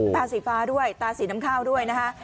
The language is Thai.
ตาสีฟ้าด้วยตาสีน้ำข้าวด้วยนะคะ